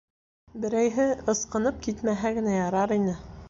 Берәйһе ысҡынып китмәһә генә ярар ине!